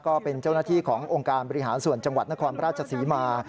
ก็เป็นเจ้าหน้าที่ขององค์การบริหารส่วนจังหวัดนครราชศรีมา